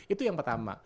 itu yang pertama